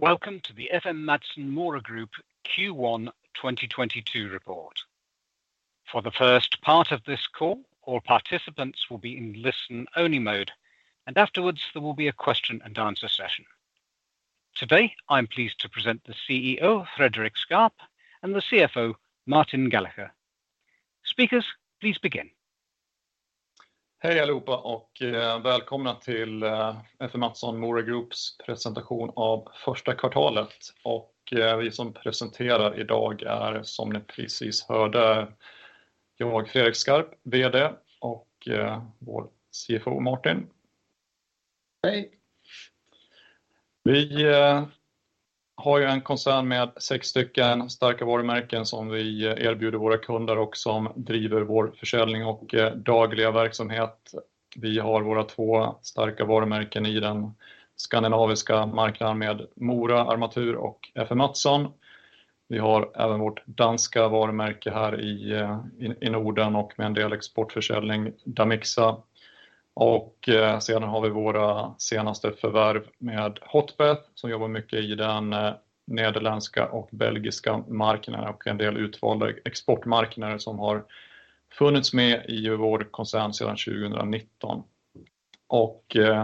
Welcome to the FM Mattsson Mora Group Q1 2022 report. For the first part of this call, all participants will be in listen only mode, and afterwards there will be a question and answer session. Today, I'm pleased to present the CEO, Fredrik Skarp, and the CFO, Martin Gallacher. Speakers, please begin. Hej allihopa och välkomna till FM Mattsson Mora Group's presentation av första kvartalet. Vi som presenterar i dag är som ni precis hörde jag, Fredrik Skarp, VD och vår CFO, Martin. Hej! Vi har ju en koncern med sex stycken starka varumärken som vi erbjuder våra kunder och som driver vår försäljning och dagliga verksamhet. Vi har våra två starka varumärken i den skandinaviska marknaden med Mora Armatur och FM Mattsson. Vi har även vårt danska varumärke här i Norden och med en del exportförsäljning, Damixa. Sedan har vi våra senaste förvärv med Hotbath som jobbar mycket i den nederländska och belgiska marknaden och en del utvalda exportmarknader som har funnits med i vår koncern sedan 2019.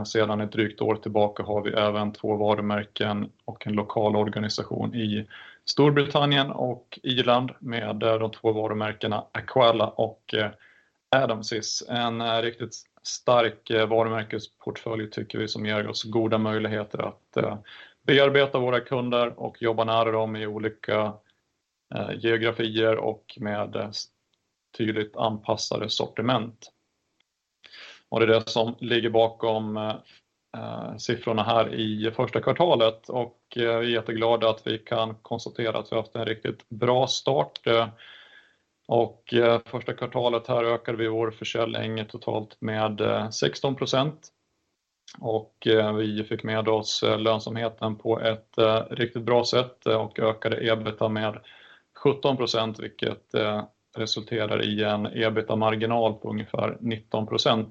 Sedan ett drygt år tillbaka har vi även två varumärken och en lokal organisation i Storbritannien och Irland med de två varumärkena Aqualla och Adamsez. En riktigt stark varumärkesportfölj tycker vi som ger oss goda möjligheter att bearbeta våra kunder och jobba nära dem i olika geografier och med tydligt anpassade sortiment. Det är det som ligger bakom siffrorna här i första kvartalet och vi är jätteglada att vi kan konstatera att vi haft en riktigt bra start. Första kvartalet här ökade vi vår försäljning totalt med 16% och vi fick med oss lönsamheten på ett riktigt bra sätt och ökade EBITDA med 17%, vilket resulterar i en EBITDA-marginal på ungefär 19%.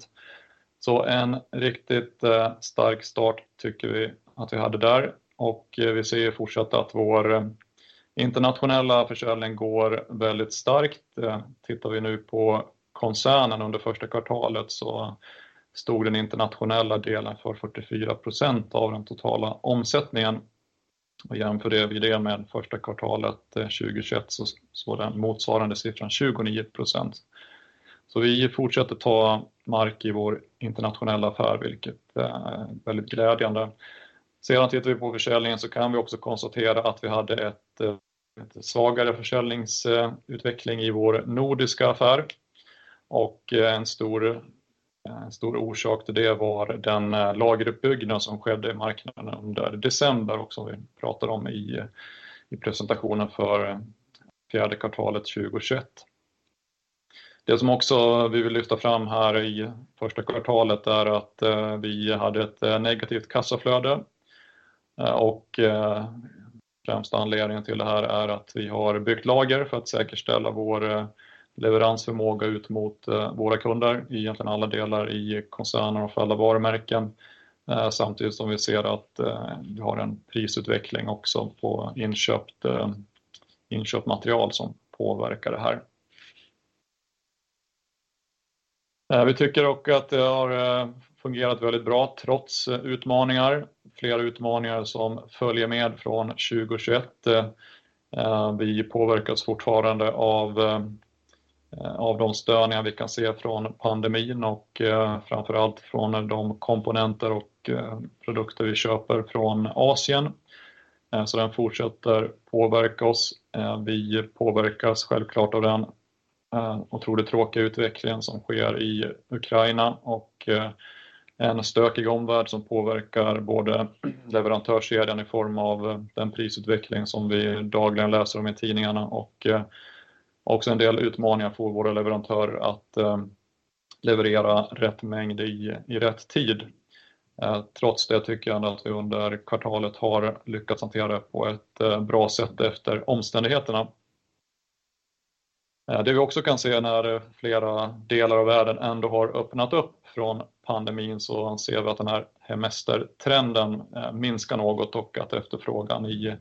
En riktigt stark start tycker vi att vi hade där och vi ser fortsatt att vår internationella försäljning går väldigt starkt. Tittar vi nu på koncernen under första kvartalet så stod den internationella delen för 44% av den totala omsättningen. Jämför vi det med första kvartalet 2021 så var den motsvarande siffran 29%. Vi fortsätter ta mark i vår internationella affär, vilket är väldigt glädjande. Tittar vi på försäljningen så kan vi också konstatera att vi hade ett svagare försäljningsutveckling i vår nordiska affär. En stor orsak till det var den lageruppbyggnad som skedde i marknaden under december och som vi pratade om i presentationen för fjärde kvartalet 2021. Det som också vi vill lyfta fram här i första kvartalet är att vi hade ett negativt kassaflöde. Främsta anledningen till det här är att vi har byggt lager för att säkerställa vår leveransförmåga ut mot våra kunder. Egentligen alla delar i koncernen och för alla varumärken. Samtidigt som vi ser att vi har en prisutveckling också på inköpt material som påverkar det här. Vi tycker också att det har fungerat väldigt bra trots utmaningar, flera utmaningar som följer med från 2021. Vi påverkas fortfarande av de störningar vi kan se från pandemin och framför allt från de komponenter och produkter vi köper från Asien. Den fortsätter påverka oss. Vi påverkas självklart av den otroligt tråkiga utvecklingen som sker i Ukraina och en stökig omvärld som påverkar både leverantörskedjan i form av den prisutveckling som vi dagligen läser om i tidningarna och också en del utmaningar får våra leverantörer att leverera rätt mängd i rätt tid. Trots det tycker jag ändå att vi under kvartalet har lyckats hantera det på ett bra sätt efter omständigheterna. Det vi också kan se när flera delar av världen ändå har öppnat upp från pandemin, så ser vi att den här hemestertrenden minskar något och att efterfrågan i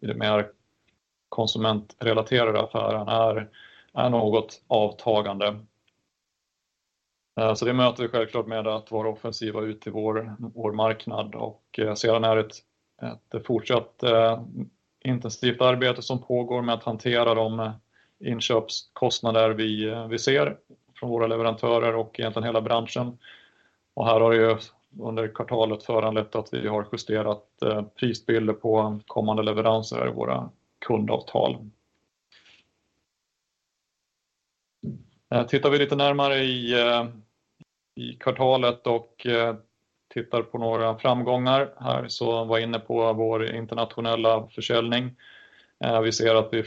det mer konsumentrelaterade affären är något avtagande. Det möter vi självklart med att vara offensiva ut till vår marknad. Sedan är det ett fortsatt intensivt arbete som pågår med att hantera de inköpskostnader vi ser från våra leverantörer och egentligen hela branschen. Här har ju under kvartalet föranlett att vi har justerat prisbilder på kommande leveranser i våra kundavtal. Tittar vi lite närmare i kvartalet och tittar på några framgångar här så var inne på vår internationella försäljning. Vi ser att vi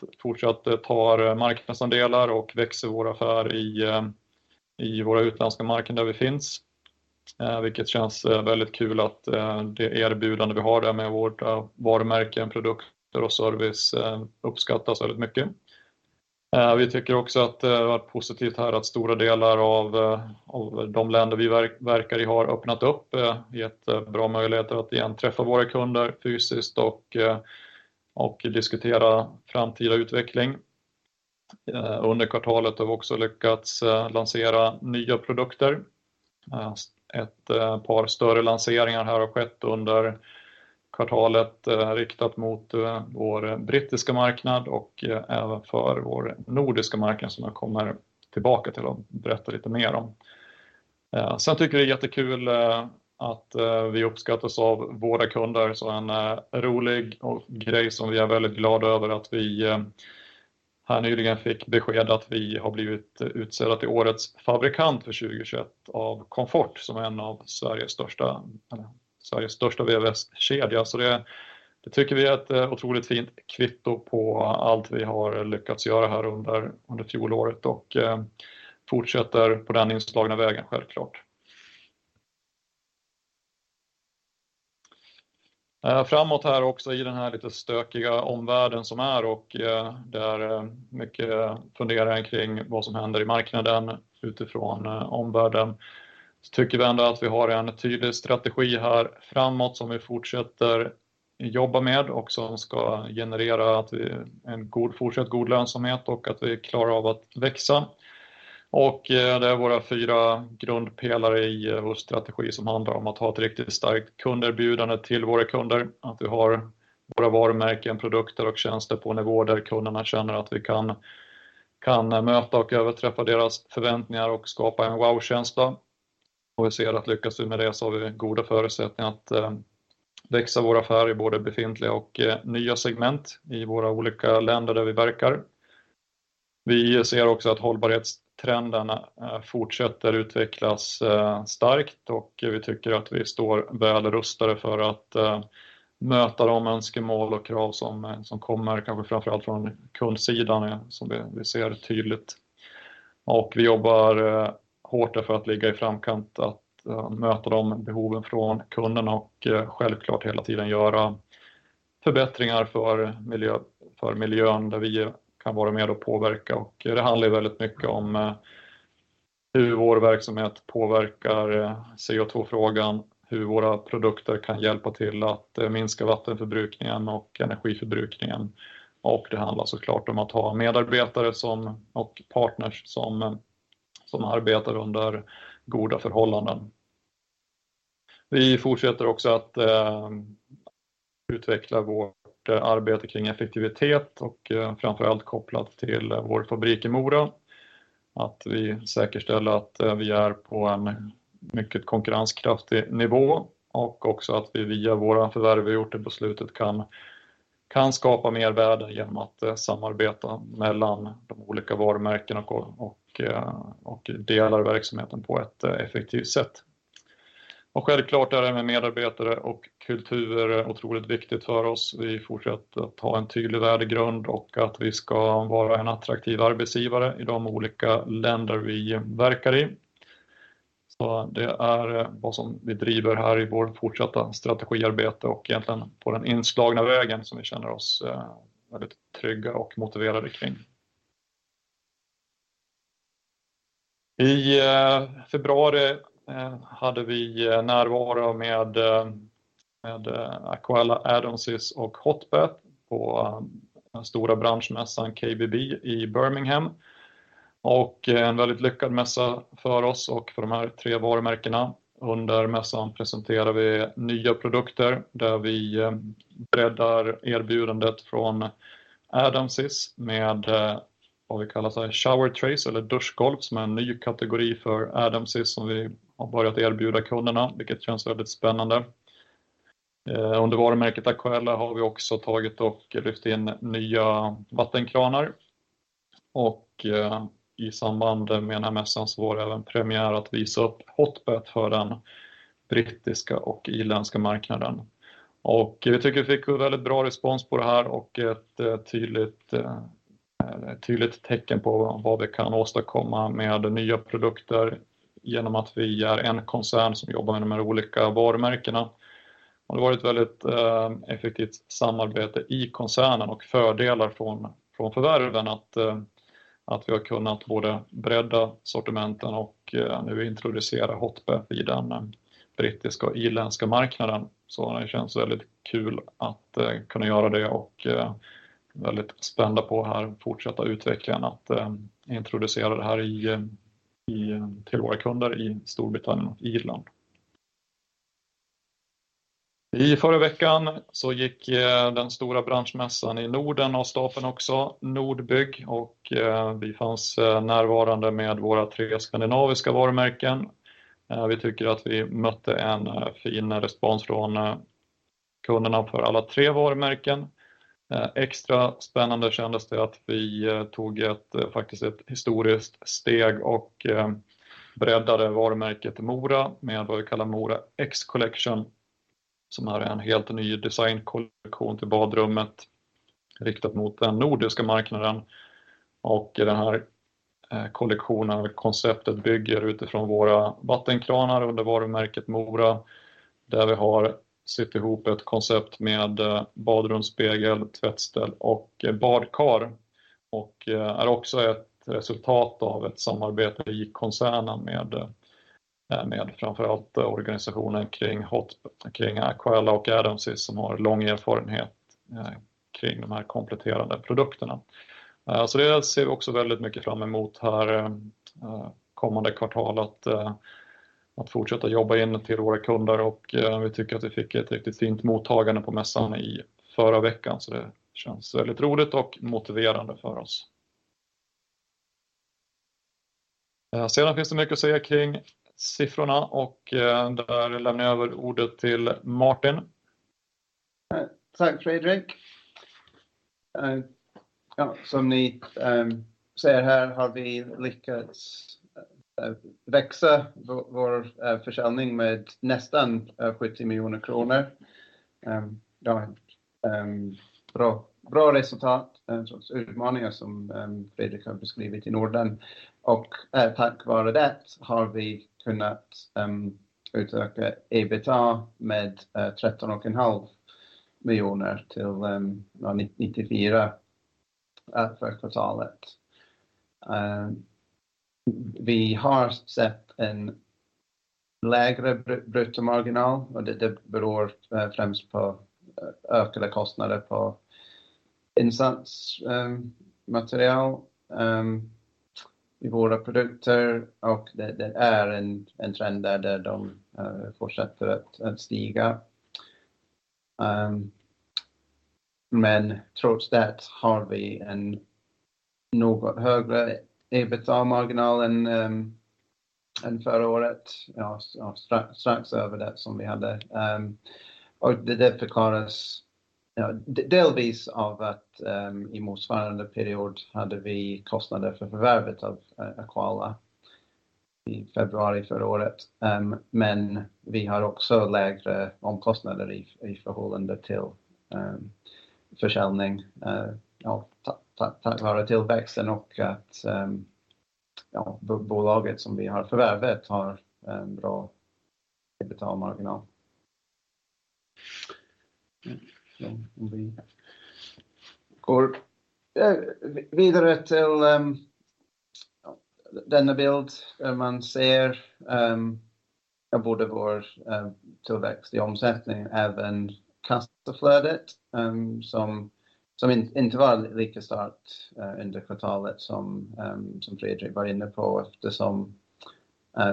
fortsatt fortsätter ta marknadsandelar och växer vår affär i våra utländska marknader där vi finns. Vilket känns väldigt kul att det erbjudande vi har där med vårt varumärke, produkter och service uppskattas väldigt mycket. Vi tycker också att det har varit positivt här att stora delar av de länder vi verkar i har öppnat upp. Det ger jättebra möjligheter att igen träffa våra kunder fysiskt och diskutera framtida utveckling. Under kvartalet har vi också lyckats lansera nya produkter. Ett par större lanseringar här har skett under kvartalet riktat mot vår brittiska marknad och även för vår nordiska marknad som jag kommer tillbaka till och berätta lite mer om. Tycker vi det är jättekul att vi uppskattas av våra kunder. En rolig grej som vi är väldigt glada över att vi här nyligen fick besked att vi har blivit utsedda till årets fabrikant för 2021 av Comfort, som är en av Sveriges största, eller Sveriges största VVS-kedja. Det tycker vi är ett otroligt fint kvitto på allt vi har lyckats göra här under fjolåret och fortsätter på den inslagna vägen självklart. Framåt här också i den här lite stökiga omvärlden som är och där mycket funderingar kring vad som händer i marknaden utifrån omvärlden. Tycker vi ändå att vi har en tydlig strategi här framåt som vi fortsätter jobba med och som ska generera att vi en god, fortsatt god lönsamhet och att vi är klara av att växa. Det är våra fyra grundpelare i vår strategi som handlar om att ha ett riktigt starkt kunderbjudande till våra kunder. Vi har våra varumärken, produkter och tjänster på en nivå där kunderna känner att vi kan möta och överträffa deras förväntningar och skapa en wow-känsla. Vi ser att lyckas vi med det så har vi goda förutsättningar att växa vår affär i både befintliga och nya segment i våra olika länder där vi verkar. Vi ser också att hållbarhetstrenderna fortsätter utvecklas starkt och vi tycker att vi står väl rustade för att möta de önskemål och krav som kommer kanske framför allt från kundsidan som vi ser tydligt. Vi jobbar hårt där för att ligga i framkant att möta de behoven från kunderna och självklart hela tiden göra förbättringar för miljö, för miljön där vi kan vara med och påverka. Det handlar ju väldigt mycket om hur vår verksamhet påverkar CO2-frågan, hur våra produkter kan hjälpa till att minska vattenförbrukningen och energiförbrukningen. Det handlar så klart om att ha medarbetare som, och partners som arbetar under goda förhållanden. Vi fortsätter också att utveckla vårt arbete kring effektivitet och framför allt kopplat till vår fabrik i Mora. Att vi säkerställer att vi är på en mycket konkurrenskraftig nivå och också att vi via våra förvärv vi gjort på slutet kan skapa mervärde genom att samarbeta mellan de olika varumärkena och dela verksamheten på ett effektivt sätt. Självklart är det med medarbetare och kultur otroligt viktigt för oss. Vi fortsätter att ha en tydlig värdegrund och att vi ska vara en attraktiv arbetsgivare i de olika länder vi verkar i. Det är vad som vi driver här i vårt fortsatta strategiarbete och egentligen på den inslagna vägen som vi känner oss väldigt trygga och motiverade kring. I februari hade vi närvaro med Aqualla, Adamsez och Hotbath på den stora branschmässan KBB i Birmingham. En väldigt lyckad mässa för oss och för de här tre varumärkena. Under mässan presenterar vi nya produkter där vi breddar erbjudandet från Adamsez med vad vi kallar såhär Shower Tray eller duschgolv som är en ny kategori för Adamsez som vi har börjat erbjuda kunderna, vilket känns väldigt spännande. Under varumärket Aqualla har vi också tagit och lyft in nya vattenkranar. I samband med den här mässan så var det även premiär att visa upp Hotbath för den brittiska och irländska marknaden. Vi tycker vi fick väldigt bra respons på det här och ett tydligt tecken på vad vi kan åstadkomma med nya produkter. Genom att vi är en koncern som jobbar med de här olika varumärkena. Det har varit väldigt effektivt samarbete i koncernen och fördelar från förvärven att vi har kunnat både bredda sortimenten och nu introducera Hotbath i den brittiska och irländska marknaden. Det känns väldigt kul att kunna göra det och väldigt spända på att fortsätta utveckla den, att introducera det här till våra kunder i Storbritannien och Irland. I förra veckan så gick den stora branschmässan i Norden av stapeln också, Nordbygg, och vi fanns närvarande med våra tre skandinaviska varumärken. Vi tycker att vi mötte en fin respons från kunderna för alla tre varumärken. Extra spännande kändes det att vi tog ett, faktiskt ett historiskt steg och breddade varumärket Mora med vad vi kallar Mora X Collection, som är en helt ny designkollektion till badrummet riktat mot den nordiska marknaden. Den här kollektionen och konceptet bygger utifrån våra vattenkranar under varumärket Mora, där vi har sytt ihop ett koncept med badrumsspegel, tvättställ och badkar. Den är också ett resultat av ett samarbete i koncernen med framför allt organisationen kring Hotbath kring Aqualla och Adamsez som har lång erfarenhet kring de här kompletterande produkterna. Det ser vi också väldigt mycket fram emot här kommande kvartal att fortsätta jobba in till våra kunder. Vi tycker att vi fick ett riktigt fint mottagande på mässan i förra veckan, så det känns väldigt roligt och motiverande för oss. Finns det mycket att säga kring siffrorna och där lämnar jag över ordet till Martin. Tack Fredrik. Som ni ser här har vi lyckats växa vår försäljning med nästan 70 miljoner kronor. Ja, bra resultat trots utmaningar som Fredrik har beskrivit i Norden. Tack vare det har vi kunnat utveckla EBITDA med 13.5 miljoner till 94, första kvartalet. Vi har sett en lägre bruttomarginal och det beror främst på ökade kostnader på insatsmaterial i våra produkter och det är en trend där de fortsätter att stiga. Trots det har vi en något högre EBITDA-marginal än förra året. Ja, strax över det som vi hade. Det förklaras delvis av att i motsvarande period hade vi kostnader för förvärvet av Aqualla i februari förra året. Vi har också lägre omkostnader i förhållande till försäljning. Ja, tack vare tillväxten och att bolaget som vi har förvärvet har en bra EBITDA-marginal. Om vi går vidare till denna bild. Man ser både vår tillväxt i omsättning, även kassaflödet, som inte var lika starkt under kvartalet som Fredrik var inne på eftersom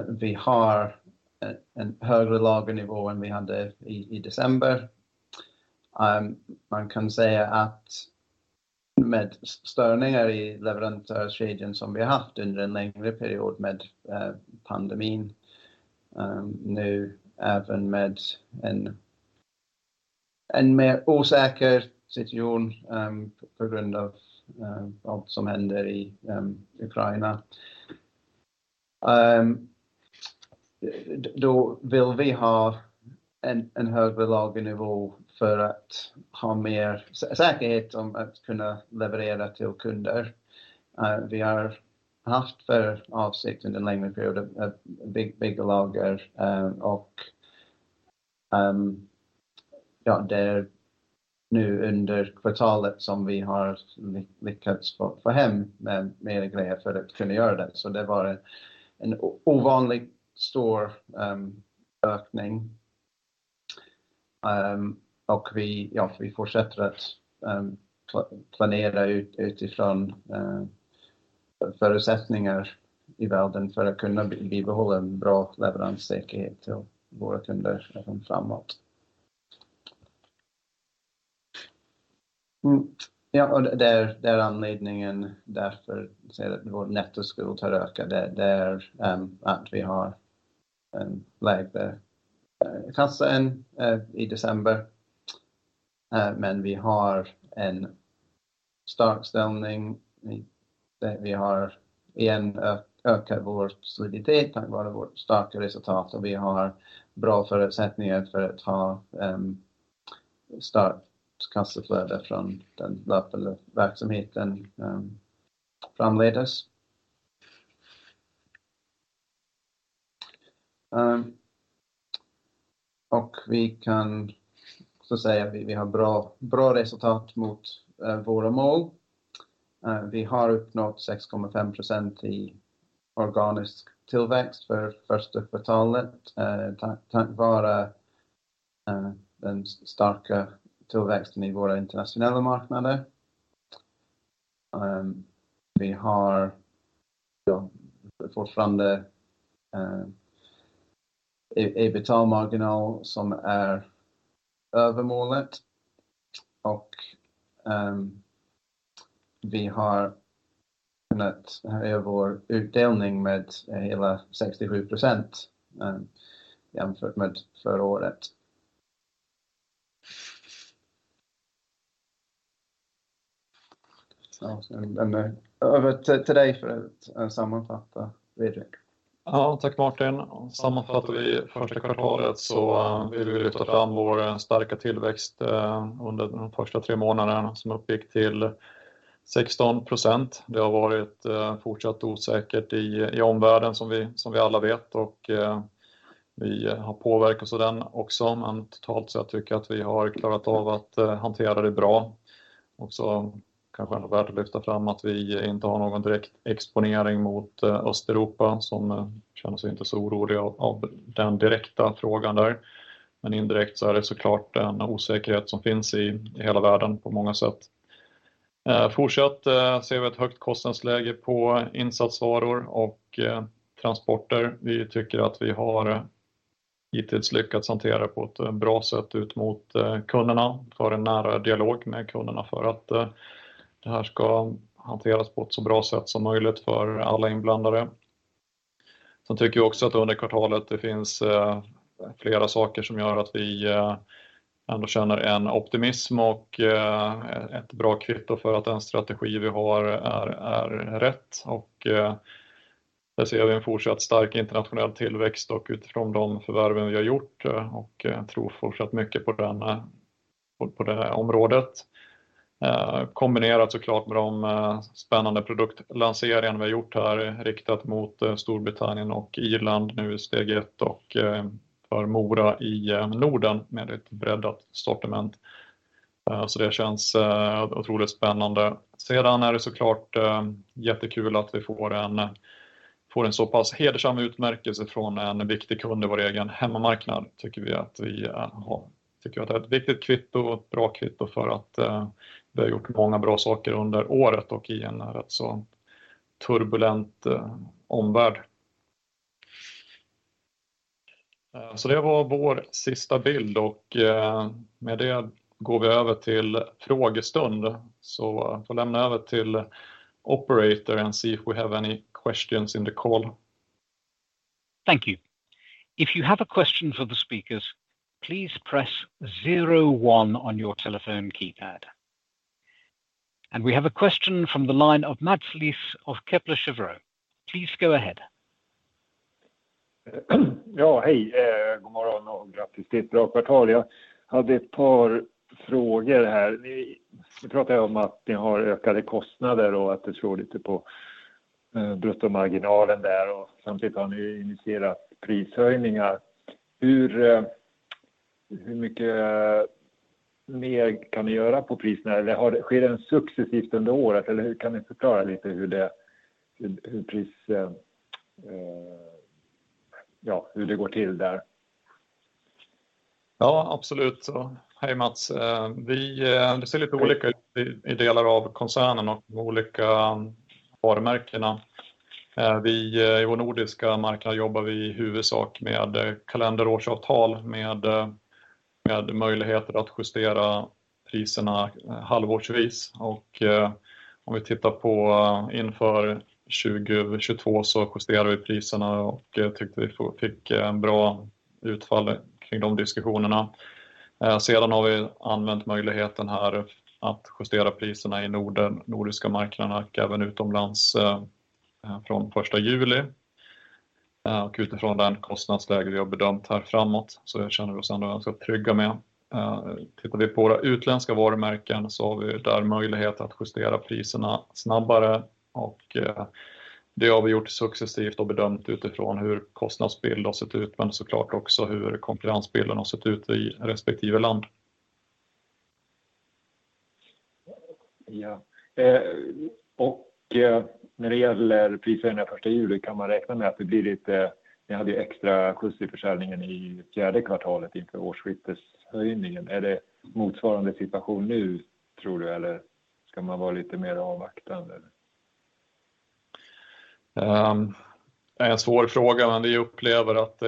vi har en högre lagernivå än vi hade i december. Man kan säga att med störningar i leverantörskedjan som vi haft under en längre period med pandemin, nu även med en mer osäker situation på grund av allt som händer i Ukraina. Då vill vi ha en högre lagernivå för att ha mer säkerhet om att kunna leverera till kunder. Vi har haft för avsikt under en längre period att bygga lager, och ja, det är nu under kvartalet som vi har lyckats få hem mer grejer för att kunna göra det. Det var en ovanligt stor ökning. Vi fortsätter att planera utifrån förutsättningar i världen för att kunna bibehålla en bra leveranssäkerhet till våra kunder även framåt. Det är anledningen därför ser du att vår nettoskuld har ökat. Det är att vi har en lägre kassa än i december. Vi har en stark ställning. Vi har igen ökat vår soliditet tack vare vårt starka resultat och vi har bra förutsättningar för att ha starkt kassaflöde från den löpande verksamheten framledes. Vi kan så säga vi har bra resultat mot våra mål. Vi har uppnått 6.5% i organisk tillväxt för första kvartalet tack vare den starka tillväxten i våra internationella marknader. Vi har fortfarande EBITDA-marginal som är över målet och vi har kunnat höja vår utdelning med hela 67% jämfört med förra året. Över till dig för att sammanfatta, Fredrik. Ja tack Martin. Sammanfattar vi första kvartalet så vill vi lyfta fram vår starka tillväxt under de första tre månaderna som uppgick till 16%. Det har varit fortsatt osäkert i omvärlden som vi alla vet och vi påverkas av den också. Totalt sett tycker jag att vi har klarat av att hantera det bra. Kanske värt att lyfta fram att vi inte har någon direkt exponering mot Östeuropa, vi känner oss inte så oroliga av den direkta frågan där. Indirekt så är det så klart en osäkerhet som finns i hela världen på många sätt. Fortsatt ser vi ett högt kostnadsläge på insatsvaror och transporter. Vi tycker att vi har hittills lyckats hantera det på ett bra sätt ut mot kunderna genom en nära dialog med kunderna för att det här ska hanteras på ett så bra sätt som möjligt för alla inblandade. Tycker jag också att under kvartalet, det finns flera saker som gör att vi ändå känner en optimism och ett bra kvitto för att den strategi vi har är rätt. Där ser vi en fortsatt stark internationell tillväxt och utifrån de förvärven vi har gjort och tror fortsatt mycket på den, på det området. Kombinerat så klart med de spännande produktlanseringar vi har gjort här, riktat mot Storbritannien och Irland nu i steget och för Mora i Norden med ett breddat sortiment. Det känns otroligt spännande. Det är så klart jättekul att vi får en så pass hedersam utmärkelse från en viktig kund i vår egen hemmamarknad. Tycker att det är ett viktigt kvitto och ett bra kvitto för att vi har gjort många bra saker under året och i en rätt så turbulent omvärld. Det var vår sista bild och med det går vi över till frågestund. Får lämna över till operator and see if we have any questions in the call. Thank you. If you have a question for the speakers, please press zero one on your telephone keypad. We have a question from the line of Mats Liss of Kepler Cheuvreux. Please go ahead. Ja hej, god morgon och grattis till ett bra kvartal. Jag hade ett par frågor här. Ni pratar om att ni har ökade kostnader och att det slår lite på bruttomarginalen där. Samtidigt har ni initierat prishöjningar. Hur mycket mer kan ni göra på priserna? Eller sker det successivt under året? Eller kan ni förklara lite hur det går till där? Ja, absolut. Hej, Mats. Vi, det ser lite olika ut i delar av koncernen och de olika varumärkena. Vi i vår nordiska marknad jobbar vi i huvudsak med kalenderårsavtal med möjligheter att justera priserna halvårsvis. Om vi tittar på inför 2022 så justerar vi priserna och tyckte vi fick ett bra utfall kring de diskussionerna. Har vi använt möjligheten här att justera priserna i Norden, nordiska marknaden, även utomlands från första juli. Utifrån den kostnadsläget vi har bedömt här framåt så känner vi oss ändå ganska trygga med. Tittar vi på våra utländska varumärken så har vi där möjlighet att justera priserna snabbare och det har vi gjort successivt och bedömt utifrån hur kostnadsbilden har sett ut, men så klart också hur konkurrensbilden har sett ut i respektive land. När det gäller prishöjningar första juli, kan man räkna med att det blir lite. Ni hade ju extra skjuts i försäljningen i fjärde kvartalet inför årsskifteshöjningen. Är det motsvarande situation nu tror du? Eller ska man vara lite mer avvaktande? Det är en svår fråga, men vi upplever att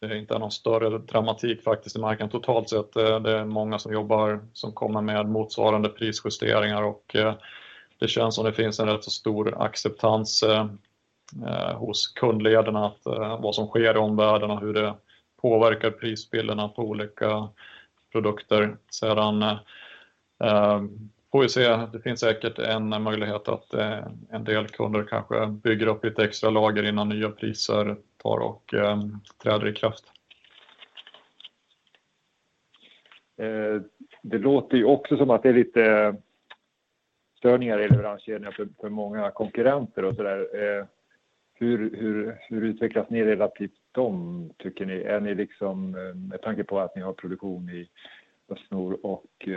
det inte är någon större dramatik faktiskt i marknaden totalt sett. Det är många som jobbar, som kommer med motsvarande prisjusteringar och det känns som det finns en rätt så stor acceptans hos kundledet att vad som sker i omvärlden och hur det påverkar prisbilderna på olika produkter. Sedan får vi se. Det finns säkert en möjlighet att en del kunder kanske bygger upp lite extra lager innan nya priser tar och träder i kraft. Det låter ju också som att det är lite störningar i leveranskedjan för många konkurrenter och sådär. Hur utvecklas ni relativt dem tycker ni? Är ni liksom med tanke på att ni har produktion i Östnor och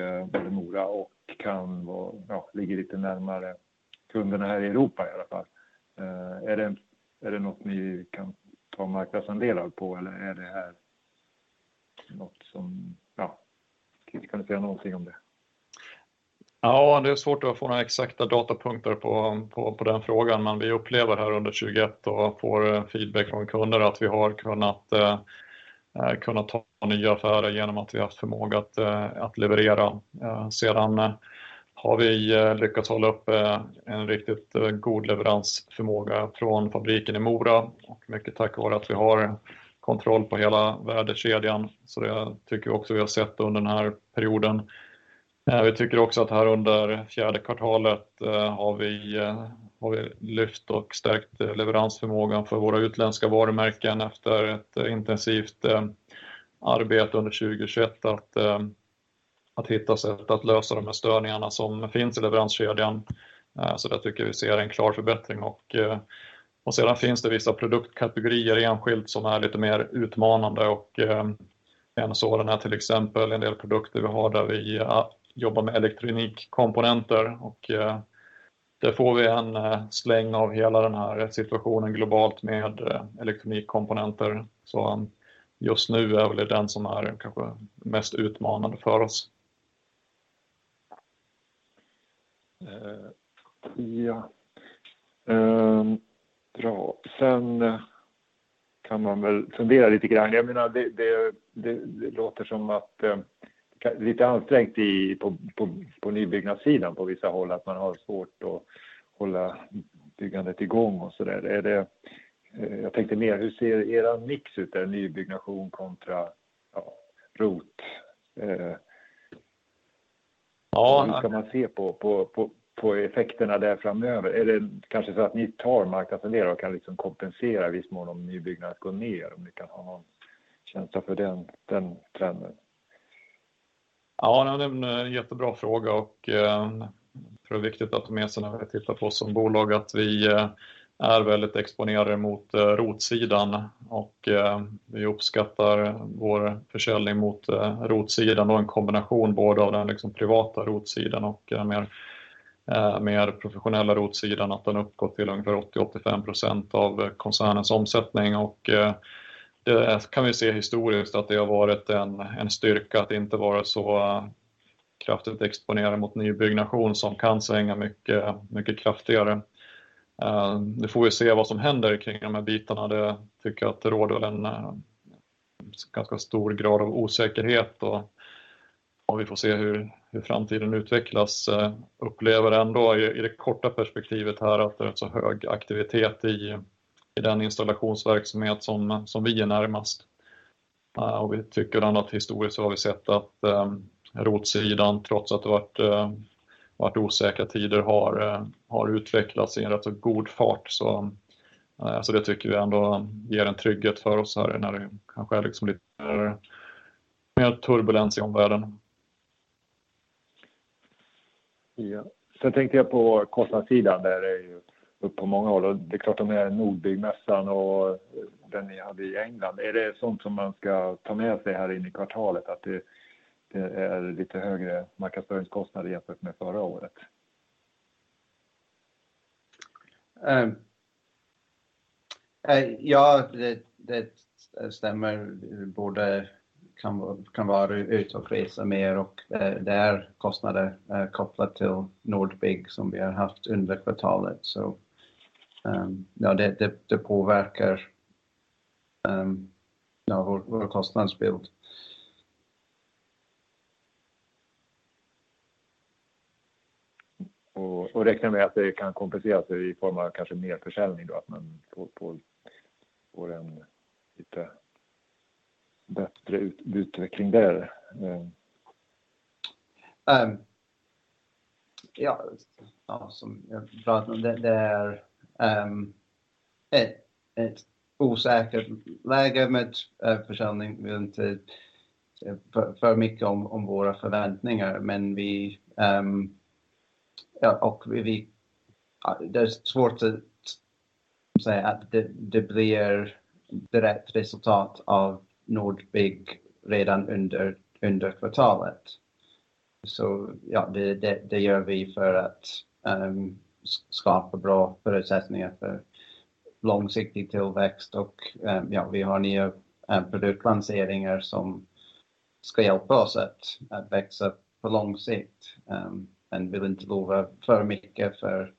Mora och kan vara, ja, ligger lite närmare kunderna här i Europa i alla fall. Är det något ni kan ta marknadsandelar på eller är det här något som, ja, kan du säga någonting om det? Ja, det är svårt att få några exakta datapunkter på den frågan. Vi upplever här under 2021 och får feedback från kunder att vi har kunnat ta nya affärer genom att vi haft förmåga att leverera. Sedan har vi lyckats hålla upp en riktigt god leveransförmåga från fabriken i Mora. Mycket tack vare att vi har kontroll på hela värdekedjan. Så det tycker jag också vi har sett under den här perioden. Vi tycker också att här under fjärde kvartalet har vi lyft och stärkt leveransförmågan för våra utländska varumärken efter ett intensivt arbete under 2021 att hitta sätt att lösa de här störningarna som finns i leveranskedjan. Så där tycker vi ser en klar förbättring och sedan finns det vissa produktkategorier enskilt som är lite mer utmanande. En sådan är till exempel en del produkter vi har där vi jobbar med elektronikkomponenter och där får vi en släng av hela den här situationen globalt med elektronikkomponenter. Just nu är väl det den som är kanske mest utmanande för oss. Ja. Bra. Kan man väl fundera lite grann. Jag menar, det låter som att lite ansträngt på nybyggnadssidan på vissa håll, att man har svårt att hålla byggandet igång och sådär. Jag tänkte mer, hur ser eran mix ut där? Nybyggnation kontra, ja, ROT? Ja. Hur ska man se på effekterna där framöver? Är det kanske så att ni tar marknadsandelar och kan liksom kompensera en viss mån om nybyggnation går ner? Om du kan ha någon känsla för den trenden. Ja, det är en jättebra fråga och jag tror det är viktigt att med sig när vi tittar på oss som bolag att vi är väldigt exponerade mot ROT-sidan och vi uppskattar vår försäljning mot ROT-sidan. En kombination både av den liksom privata ROT-sidan och mer professionella ROT-sidan att den uppgår till ungefär 80-85% av koncernens omsättning. Det kan vi se historiskt att det har varit en styrka att inte vara så kraftigt exponerad mot nybyggnation som kan svänga mycket kraftigare. Nu får vi se vad som händer kring de här bitarna. Det tycker jag att det råder en ganska stor grad av osäkerhet och vi får se hur framtiden utvecklas. Upplever ändå i det korta perspektivet här att det är rätt så hög aktivitet i den installationsverksamhet som vi är närmast. Vi tycker ändå att historiskt så har vi sett att ROT-sidan, trots att det har varit osäkra tider har utvecklats i en rätt så god fart. Så det tycker vi ändå ger en trygghet för oss här när det kanske är liksom lite mer turbulens i omvärlden. Ja. Tänkte jag på kostnadssidan. Där är ju upp på många håll. Det är klart de här Nordbygg-mässan och den ni hade i England. Är det sånt som man ska ta med sig här in i kvartalet? Att det är lite högre marknadsföringskostnad jämfört med förra året? Det stämmer. Både kan vara ute och resa mer och det är kostnader kopplat till Nordbygg som vi har haft under kvartalet. Det påverkar vår kostnadsbild. räknar med att det kan kompenseras i form av kanske merförsäljning då, att man får en lite bättre utveckling där? Som jag pratat om, det är ett osäkert läge med försäljning. Vi vill inte säga för mycket om våra förväntningar, men det är svårt att säga att det blir direkt resultat av Nordbygg redan under kvartalet. Det gör vi för att skapa bra förutsättningar för långsiktig tillväxt. Vi har nya produktlanseringar som ska hjälpa oss att växa på lång sikt. Vi vill inte lova för mycket för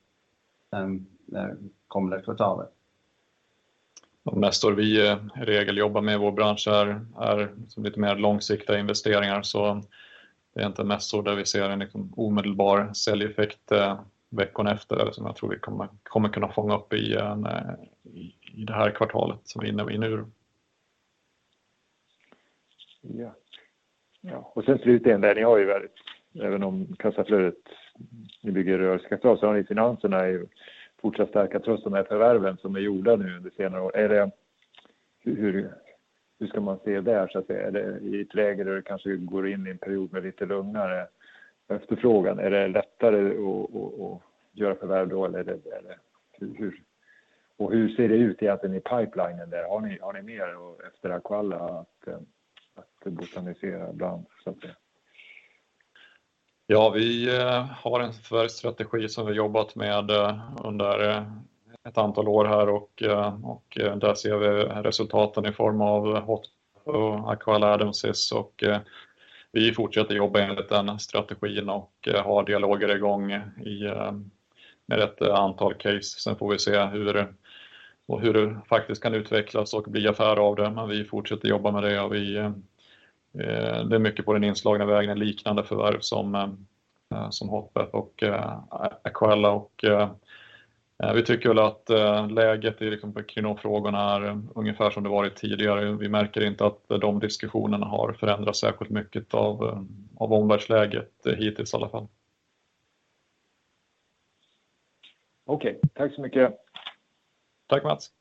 kommande kvartalet. De mässor vi i regel jobbar med i vår bransch här är lite mer långsiktiga investeringar. Det är inte mässor där vi ser en liksom omedelbar säljeffekt veckan efter som jag tror vi kommer kunna fånga upp i det här kvartalet som in i nu då. Ja. Sen slutligen, ni har ju väldigt, även om kassaflödet, ni bygger rörligt kassaflöde, så har ni finanserna är ju fortsatt starka trots de här förvärven som är gjorda nu under senare år. Är det hur ska man se där så att säga? Är det i ett läge där det kanske går in i en period med lite lugnare efterfrågan? Är det lättare att göra förvärv då? Eller hur? Hur ser det ut egentligen i pipelinen där? Har ni mer efter Aqualla att botanisera bland så att säga? Vi har en förvärvsstrategi som vi jobbat med under ett antal år här och där ser vi resultaten i form av Hotbath och Aqualla, Adamsez. Vi fortsätter jobba enligt den strategin och har dialoger i gång med ett antal case. Får vi se hur det faktiskt kan utvecklas och bli affärer av det. Vi fortsätter jobba med det och det är mycket på den inslagna vägen, liknande förvärv som Hotbath och Aqualla. Vi tycker väl att läget liksom för Kinno-frågorna är ungefär som det varit tidigare. Vi märker inte att de diskussionerna har förändrats särskilt mycket av omvärldsläget. Hittills i alla fall. Okej, tack så mycket. Tack Mats.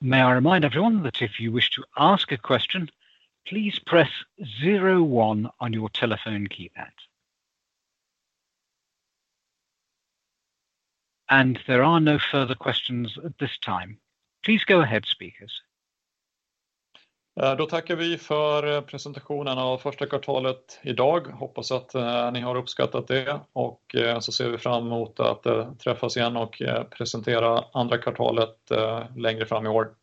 May I remind everyone that if you wish to ask a question, please press zero one on your telephone keypad. There are no further questions at this time. Please go ahead speakers. Då tackar vi för presentationen av första kvartalet idag. Hoppas att ni har uppskattat det och så ser vi fram mot att träffas igen och presentera andra kvartalet längre fram i år.